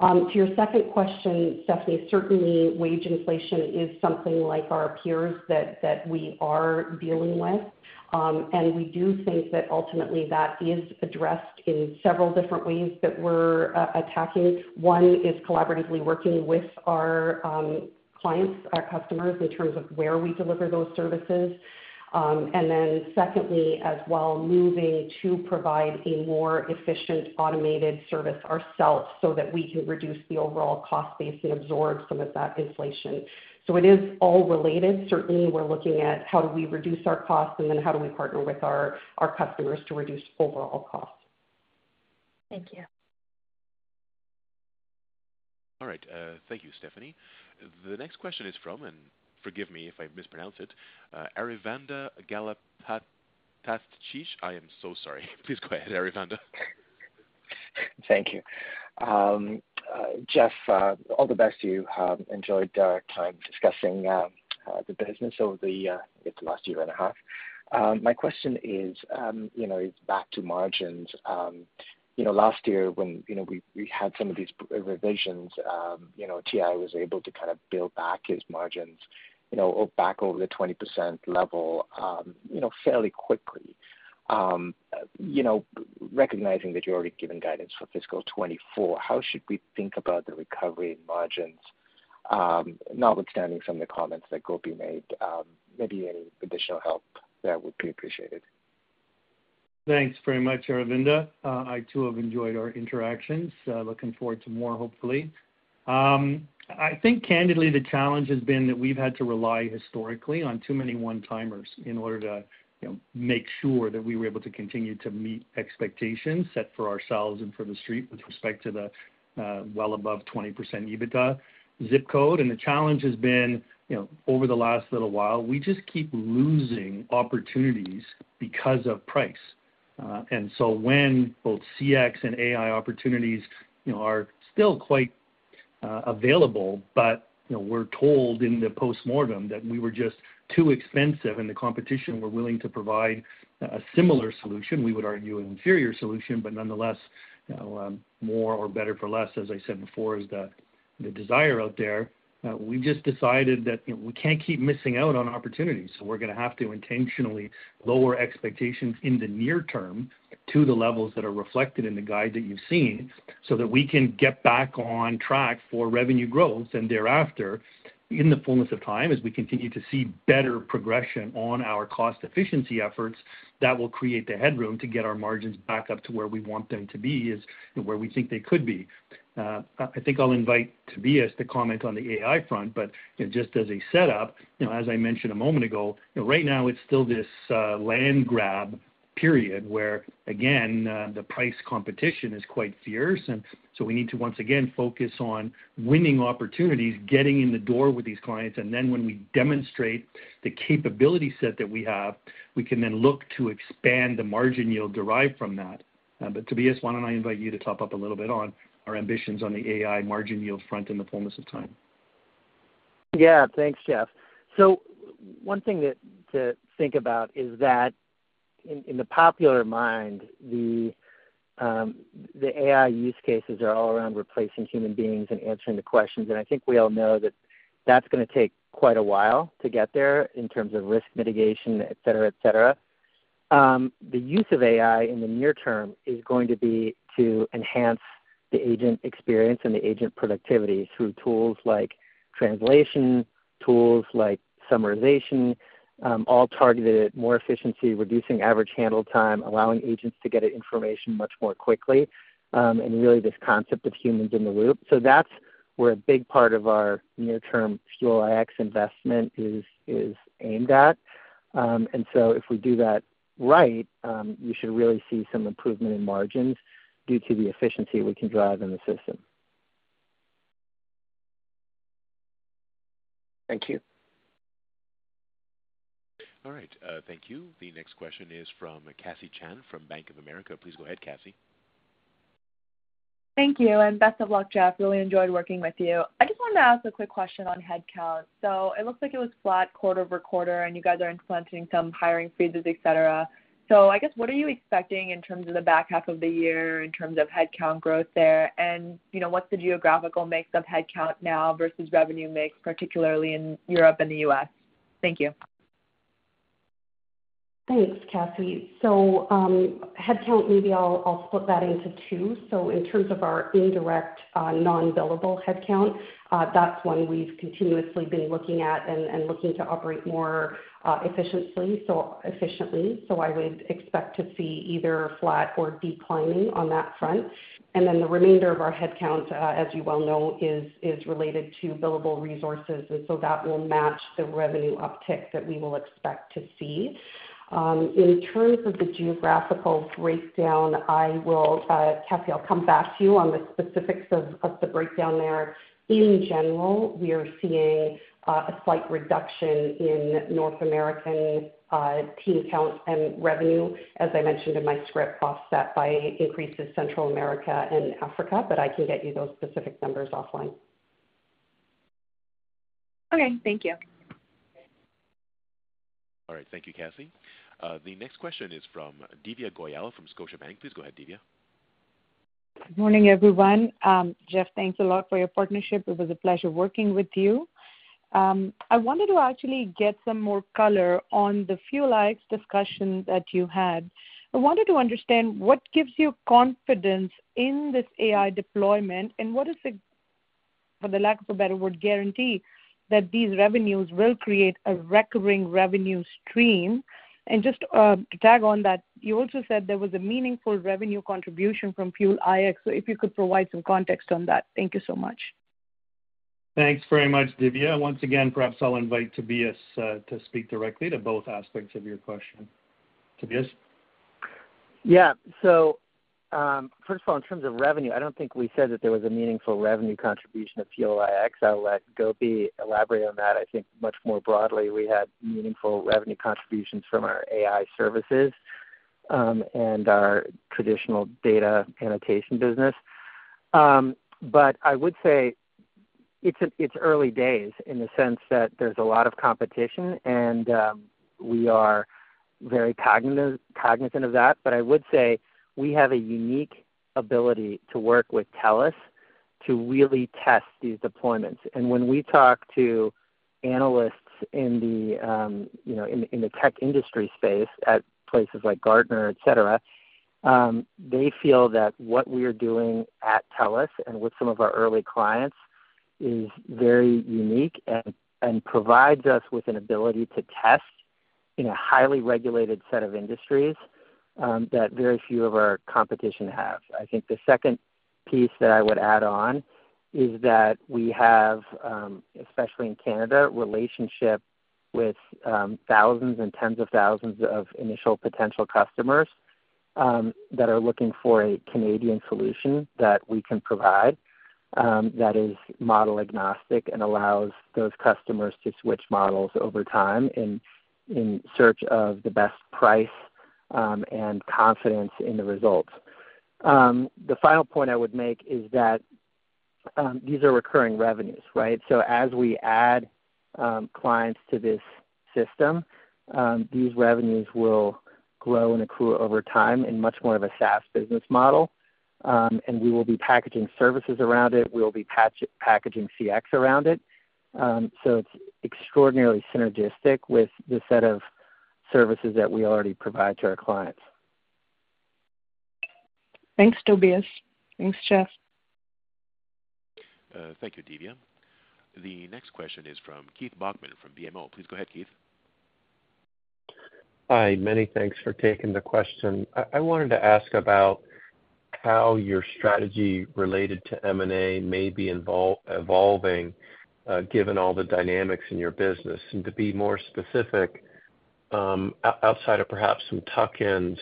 To your second question, Stephanie, certainly wage inflation is something like our peers that we are dealing with. We do think that ultimately that is addressed in several different ways that we're attacking. One is collaboratively working with our clients, our customers, in terms of where we deliver those services. And then secondly, as well, moving to provide a more efficient automated service ourselves so that we can reduce the overall cost base and absorb some of that inflation. So it is all related. Certainly, we're looking at how do we reduce our costs and then how do we partner with our customers to reduce overall costs. Thank you. All right. Thank you, Stephanie. The next question is from, and forgive me if I mispronounce it, Aravinda Galappatthige. I am so sorry. Please go ahead, Aravinda. Thank you. Jeff, all the best. You enjoyed our time discussing the business over the last year and a half. My question is back to margins. Last year, when we had some of these revisions, TI was able to kind of build back his margins back over the 20% level fairly quickly. Recognizing that you're already given guidance for fiscal 2024, how should we think about the recovery margins, notwithstanding some of the comments that Gopi made? Maybe any additional help that would be appreciated. Thanks very much, Aravinda. I too have enjoyed our interactions. Looking forward to more, hopefully. I think, candidly, the challenge has been that we've had to rely historically on too many one-timers in order to make sure that we were able to continue to meet expectations set for ourselves and for the Street with respect to the well above 20% EBITDA zip code. And the challenge has been, over the last little while, we just keep losing opportunities because of price. And so when both CX and AI opportunities are still quite available, but we're told in the postmortem that we were just too expensive in the competition, we're willing to provide a similar solution. We would argue an inferior solution, but nonetheless, more or better for less, as I said before, is the desire out there. We just decided that we can't keep missing out on opportunities. So we're going to have to intentionally lower expectations in the near term to the levels that are reflected in the guide that you've seen so that we can get back on track for revenue growth. And thereafter, in the fullness of time, as we continue to see better progression on our cost-efficiency efforts, that will create the headroom to get our margins back up to where we want them to be, where we think they could be. I think I'll invite Tobias to comment on the AI front, but just as a setup, as I mentioned a moment ago, right now, it's still this land grab period where, again, the price competition is quite fierce. And so we need to, once again, focus on winning opportunities, getting in the door with these clients. And then when we demonstrate the capability set that we have, we can then look to expand the margin yield derived from that. But Tobias, why don't I invite you to top up a little bit on our ambitions on the AI margin yield front in the fullness of time? Yeah, thanks, Jeff. So one thing to think about is that in the popular mind, the AI use cases are all around replacing human beings and answering the questions. And I think we all know that that's going to take quite a while to get there in terms of risk mitigation, etc., etc. The use of AI in the near term is going to be to enhance the agent experience and the agent productivity through tools like translation, tools like summarization, all targeted at more efficiency, reducing average handle time, allowing agents to get information much more quickly, and really this concept of humans in the loop. So that's where a big part of our near-term Fuel iX investment is aimed at. And so if we do that right, you should really see some improvement in margins due to the efficiency we can drive in the system. Thank you. All right. Thank you. The next question is from Cassie Chan from Bank of America. Please go ahead, Cassie. Thank you. And best of luck, Jeff. Really enjoyed working with you. I just wanted to ask a quick question on headcount. So it looks like it was flat quarter-over-quarter, and you guys are implementing some hiring freezes, etc. So I guess, what are you expecting in terms of the back half of the year, in terms of headcount growth there? And what's the geographical mix of headcount now versus revenue mix, particularly in Europe and the U.S.? Thank you. Thanks, Cassie. So headcount, maybe I'll split that into two. So in terms of our indirect non-billable headcount, that's one we've continuously been looking at and looking to operate more efficiently. So I would expect to see either flat or declining on that front. And then the remainder of our headcount, as you well know, is related to billable resources. And so that will match the revenue uptick that we will expect to see. In terms of the geographical breakdown, Cassie, I'll come back to you on the specifics of the breakdown there. In general, we are seeing a slight reduction in North American team count and revenue, as I mentioned in my script, offset by increases in Central America and Africa, but I can get you those specific numbers offline. Okay. Thank you. All right. Thank you, Cassie. The next question is from Divya Goyal from Scotiabank. Please go ahead, Divya. Good morning, everyone. Jeff, thanks a lot for your partnership. It was a pleasure working with you. I wanted to actually get some more color on the Fuel iX discussion that you had. I wanted to understand what gives you confidence in this AI deployment and what is the, for the lack of a better word, guarantee that these revenues will create a recurring revenue stream. Just to tag on that, you also said there was a meaningful revenue contribution from Fuel iX. So if you could provide some context on that. Thank you so much. Thanks very much, Divya. Once again, perhaps I'll invite Tobias to speak directly to both aspects of your question. Tobias. Yeah. So first of all, in terms of revenue, I don't think we said that there was a meaningful revenue contribution of Fuel iX. I'll let Gopi elaborate on that. I think much more broadly, we had meaningful revenue contributions from our AI services and our traditional data annotation business. But I would say it's early days in the sense that there's a lot of competition, and we are very cognizant of that. But I would say we have a unique ability to work with TELUS to really test these deployments. When we talk to analysts in the tech industry space at places like Gartner, etc., they feel that what we are doing at TELUS and with some of our early clients is very unique and provides us with an ability to test in a highly regulated set of industries that very few of our competition have. I think the second piece that I would add on is that we have, especially in Canada, a relationship with thousands and tens of thousands of initial potential customers that are looking for a Canadian solution that we can provide that is model-agnostic and allows those customers to switch models over time in search of the best price and confidence in the results. The final point I would make is that these are recurring revenues, right? So as we add clients to this system, these revenues will grow and accrue over time in much more of a SaaS business model. And we will be packaging services around it. We will be packaging CX around it. So it's extraordinarily synergistic with the set of services that we already provide to our clients. Thanks, Tobias. Thanks, Jeff. Thank you, Divya. The next question is from Keith Bachman from BMO. Please go ahead, Keith. Hi. Many thanks for taking the question. I wanted to ask about how your strategy related to M&A may be evolving given all the dynamics in your business. And to be more specific, outside of perhaps some tuck-ins,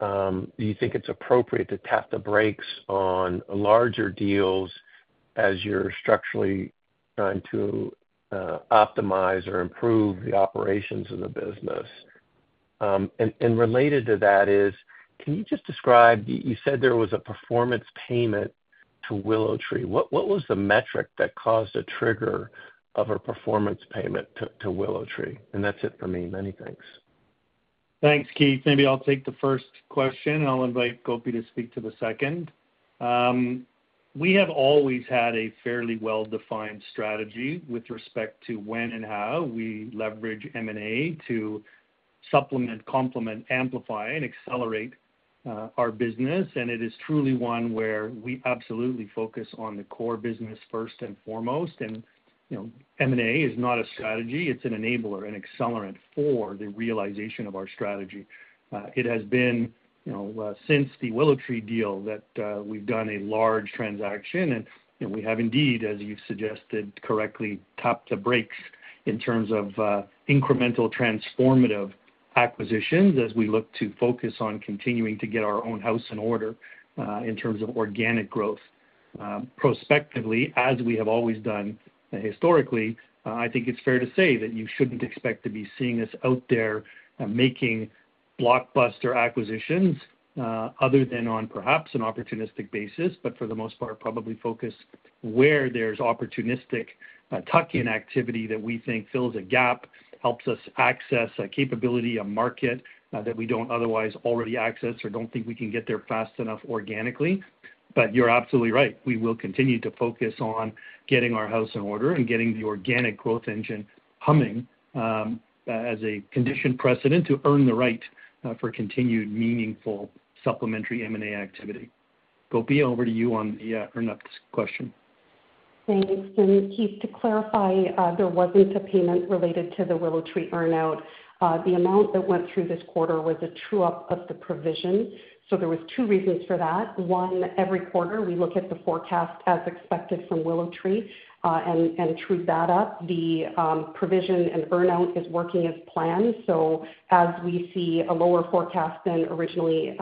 do you think it's appropriate to tap the brakes on larger deals as you're structurally trying to optimize or improve the operations of the business? And related to that is, can you just describe you said there was a performance payment to WillowTree. What was the metric that caused a trigger of a performance payment to WillowTree? And that's it for me. Many thanks. Thanks, Keith. Maybe I'll take the first question, and I'll invite Gopi to speak to the second. We have always had a fairly well-defined strategy with respect to when and how we leverage M&A to supplement, complement, amplify, and accelerate our business. And it is truly one where we absolutely focus on the core business first and foremost. And M&A is not a strategy. It's an enabler, an accelerant for the realization of our strategy. It has been since the WillowTree deal that we've done a large transaction. And we have indeed, as you've suggested correctly, tapped the brakes in terms of incremental transformative acquisitions as we look to focus on continuing to get our own house in order in terms of organic growth. Prospectively, as we have always done historically, I think it's fair to say that you shouldn't expect to be seeing us out there making blockbuster acquisitions other than on perhaps an opportunistic basis, but for the most part, probably focus where there's opportunistic tuck-in activity that we think fills a gap, helps us access a capability, a market that we don't otherwise already access or don't think we can get there fast enough organically. But you're absolutely right. We will continue to focus on getting our house in order and getting the organic growth engine humming as a condition precedent to earn the right for continued meaningful supplementary M&A activity. Gopi, over to you on the earn-out question. Thanks. Keith, to clarify, there wasn't a payment related to the WillowTree earn-out. The amount that went through this quarter was a true-up of the provision. So there were two reasons for that. One, every quarter, we look at the forecast as expected from WillowTree and true that up. The provision and earn-out is working as planned. So as we see a lower forecast than originally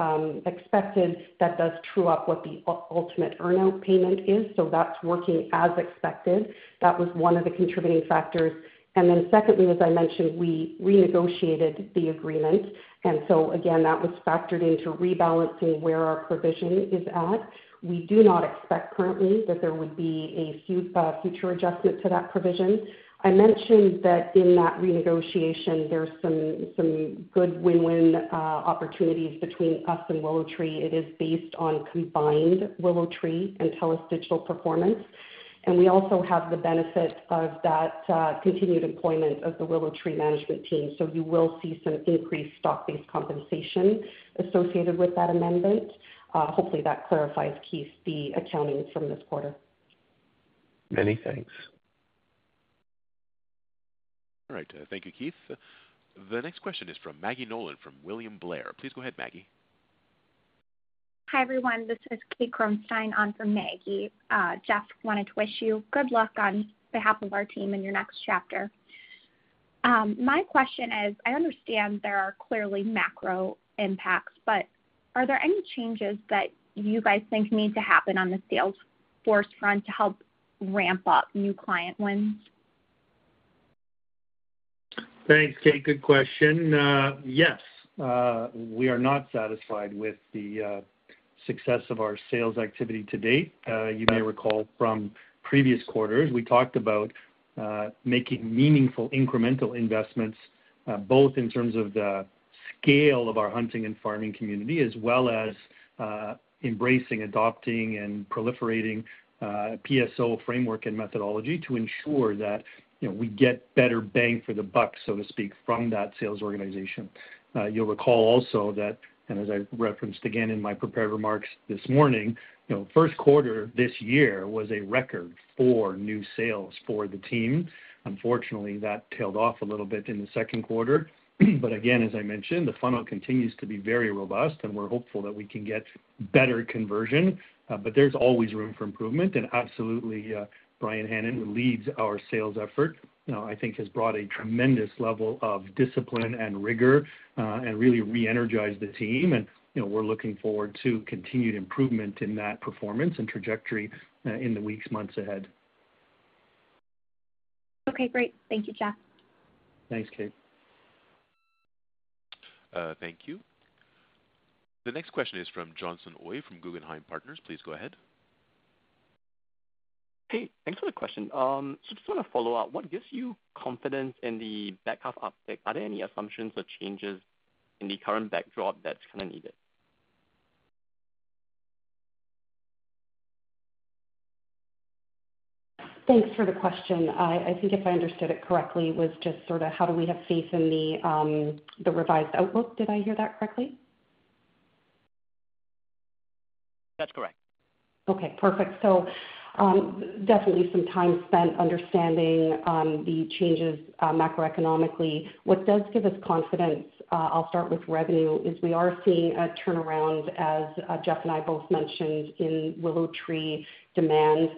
expected, that does true up what the ultimate earn-out payment is. So that's working as expected. That was one of the contributing factors. And then secondly, as I mentioned, we renegotiated the agreement. And so again, that was factored into rebalancing where our provision is at. We do not expect currently that there would be a future adjustment to that provision. I mentioned that in that renegotiation, there's some good win-win opportunities between us and WillowTree. It is based on combined WillowTree and TELUS Digital performance. We also have the benefit of that continued employment of the WillowTree management team. So you will see some increased stock-based compensation associated with that amendment. Hopefully, that clarifies, Keith, the accounting from this quarter. Many thanks. All right. Thank you, Keith. The next question is from Maggie Nolan from William Blair. Please go ahead, Maggie. Hi everyone. This is Kate Kronstein on for Maggie. Jeff, wanted to wish you good luck on behalf of our team in your next chapter. My question is, I understand there are clearly macro impacts, but are there any changes that you guys think need to happen on the sales force front to help ramp up new client wins? Thanks, Kate. Good question. Yes, we are not satisfied with the success of our sales activity to date. You may recall from previous quarters, we talked about making meaningful incremental investments, both in terms of the scale of our hunting and farming community, as well as embracing, adopting, and proliferating PSO framework and methodology to ensure that we get better bang for the buck, so to speak, from that sales organization. You'll recall also that, and as I referenced again in my prepared remarks this morning, first quarter this year was a record for new sales for the team. Unfortunately, that tailed off a little bit in the second quarter. But again, as I mentioned, the funnel continues to be very robust, and we're hopeful that we can get better conversion. But there's always room for improvement. And absolutely, Brian Hannon, who leads our sales effort, I think has brought a tremendous level of discipline and rigor and really re-energized the team. And we're looking forward to continued improvement in that performance and trajectory in the weeks, months ahead. Okay. Great. Thank you, Jeff. Thanks, Kate. Thank you. The next question is from Johnson Ooi from Guggenheim Partners. Please go ahead. Hey, thanks for the question. So just want to follow up. What gives you confidence in the back half uptake? Are there any assumptions or changes in the current backdrop that's kind of needed? Thanks for the question. I think if I understood it correctly, it was just sort of how do we have faith in the revised outlook. Did I hear that correctly? That's correct. Okay. Perfect. So definitely some time spent understanding the changes macroeconomically. What does give us confidence, I'll start with revenue, is we are seeing a turnaround, as Jeff and I both mentioned, in WillowTree demand,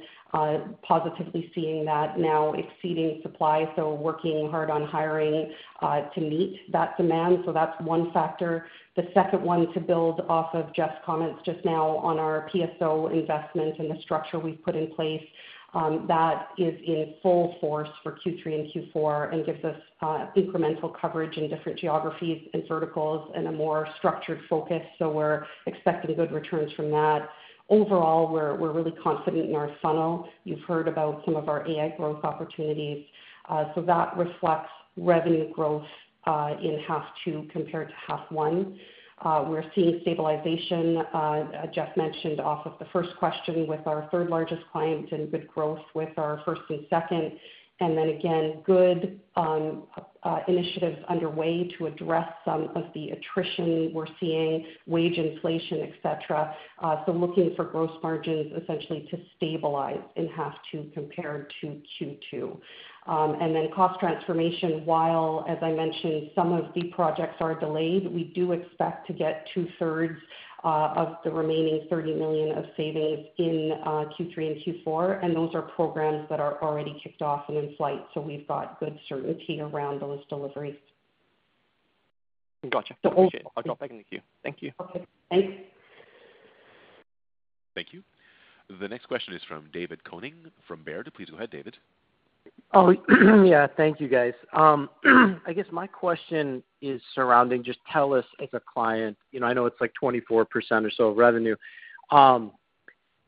positively seeing that now exceeding supply. So working hard on hiring to meet that demand. So that's one factor. The second one to build off of Jeff's comments just now on our PSO investment and the structure we've put in place, that is in full force for Q3 and Q4 and gives us incremental coverage in different geographies and verticals and a more structured focus. So we're expecting good returns from that. Overall, we're really confident in our funnel. You've heard about some of our AI growth opportunities. So that reflects revenue growth in half two compared to half one. We're seeing stabilization, Jeff mentioned, off of the first question with our third largest client and good growth with our first and second. And then again, good initiatives underway to address some of the attrition we're seeing, wage inflation, etc. So looking for gross margins essentially to stabilize in half two compared to Q2. And then cost transformation, while, as I mentioned, some of the projects are delayed, we do expect to get 2/3 of the remaining $30 million of savings in Q3 and Q4. And those are programs that are already kicked off and in flight. So we've got good certainty around those deliveries. Gotcha. Appreciate it. I'll drop back into queue. Thank you. Okay. Thanks. Thank you. The next question is from David Koning from Baird. Please go ahead, David. Oh, yeah. Thank you, guys. I guess my question is surrounding just TELUS as a client. I know it's like 24% or so revenue.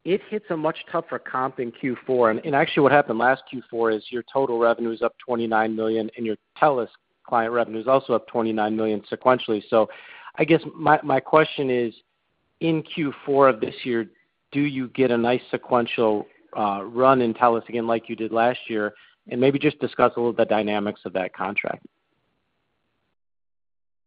It hits a much tougher comp in Q4. Actually, what happened last Q4 is your total revenue is up $29 million, and your TELUS client revenue is also up $29 million sequentially. So I guess my question is, in Q4 of this year, do you get a nice sequential run in TELUS again like you did last year? And maybe just discuss a little bit of the dynamics of that contract.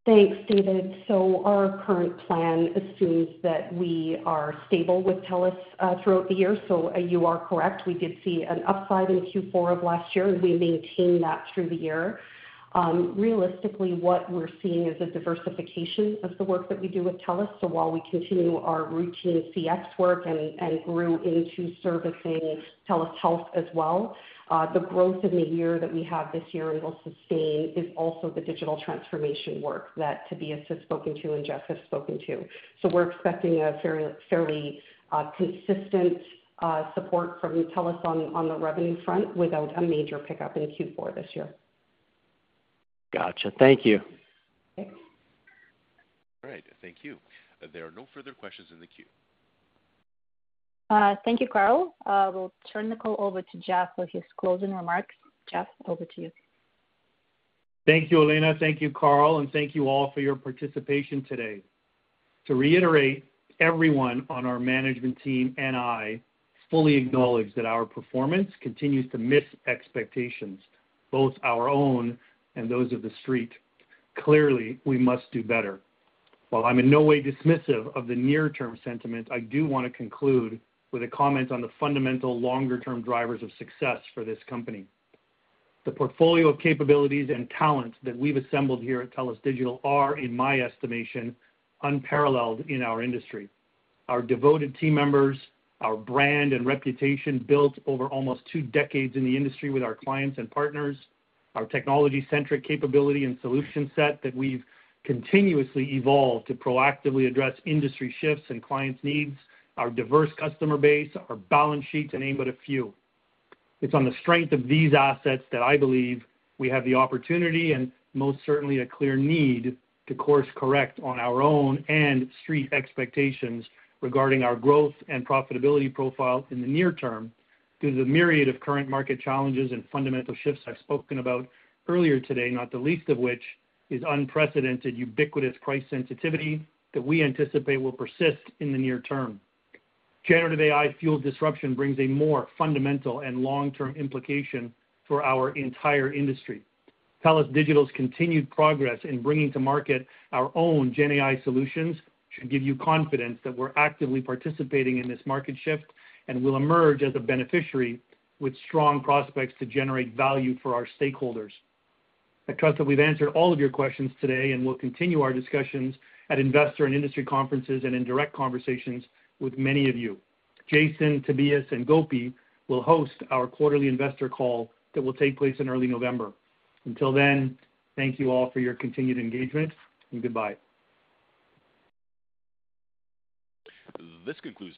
Thanks, David. So our current plan assumes that we are stable with TELUS throughout the year. So you are correct. We did see an upside in Q4 of last year, and we maintained that through the year. Realistically, what we're seeing is a diversification of the work that we do with TELUS. So while we continue our routine CX work and grew into servicing TELUS Health as well, the growth in the year that we have this year and will sustain is also the digital transformation work that Tobias has spoken to and Jeff has spoken to. So we're expecting a fairly consistent support from TELUS on the revenue front without a major pickup in Q4 this year. Gotcha. Thank you. Thanks. All right. Thank you. There are no further questions in the queue. Thank you, Carl. We'll turn the call over to Jeff for his closing remarks. Jeff, over to you. Thank you, Olena. Thank you, Carl. Thank you all for your participation today. To reiterate, everyone on our management team and I fully acknowledge that our performance continues to miss expectations, both our own and those of the Street. Clearly, we must do better. While I'm in no way dismissive of the near-term sentiment, I do want to conclude with a comment on the fundamental longer-term drivers of success for this company. The portfolio of capabilities and talent that we've assembled here at TELUS Digital are, in my estimation, unparalleled in our industry. Our devoted team members, our brand and reputation built over almost two decades in the industry with our clients and partners, our technology-centric capability and solution set that we've continuously evolved to proactively address industry shifts and clients' needs, our diverse customer base, our balance sheet, to name but a few. It's on the strength of these assets that I believe we have the opportunity and most certainly a clear need to course-correct on our own and Street expectations regarding our growth and profitability profile in the near term due to the myriad of current market challenges and fundamental shifts I've spoken about earlier today, not the least of which is unprecedented ubiquitous price sensitivity that we anticipate will persist in the near term. Generative AI-fueled disruption brings a more fundamental and long-term implication for our entire industry. TELUS Digital's continued progress in bringing to market our own GenAI solutions should give you confidence that we're actively participating in this market shift and will emerge as a beneficiary with strong prospects to generate value for our stakeholders. I trust that we've answered all of your questions today and will continue our discussions at investor and industry conferences and in direct conversations with many of you. Jason, Tobias, and Gopi will host our quarterly investor call that will take place in early November. Until then, thank you all for your continued engagement and goodbye. This concludes.